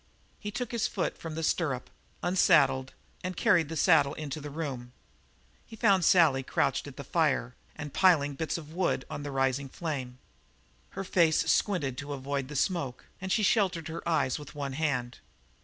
He took his foot from the stirrup, unsaddled, and carried the saddle into the room. He found Sally crouched at the fire and piling bits of wood on the rising flame. Her face was squinted to avoid the smoke, and she sheltered her eyes with one hand.